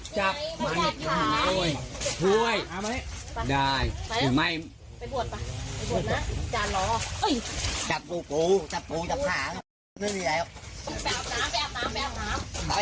จับปูจับหา